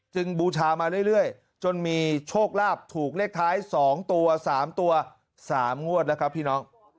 บูชามาเรื่อยจนมีโชคลาภถูกเลขท้าย๒ตัว๓ตัว๓งวดแล้วครับพี่น้อง